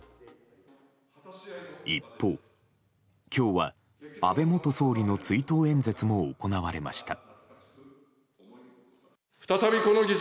一方、今日は安倍元総理の追悼演説も行われました。